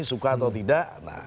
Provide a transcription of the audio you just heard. suka atau tidak